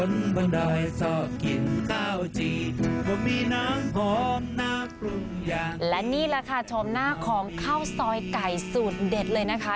และนี่แหละค่ะชมหน้าของข้าวซอยไก่สูตรเด็ดเลยนะคะ